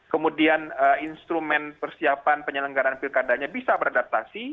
kemudian instrumen persiapan penyelenggaran pilkadanya bisa beradaptasi